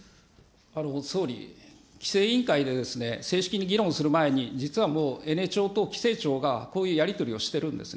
総理、規制委員会で、正式に議論する前に、実はもう、エネ庁と規制庁が、こういうやり取りをしてるんですね。